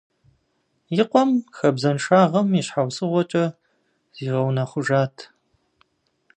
И къуэм хабзэншагъэм и щхьэусыгъуэкӏэ зигъэунэхъужат.